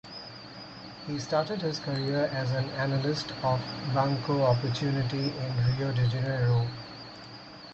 He started his career as an analyst of Banco Opportunity in Rio de Janeiro.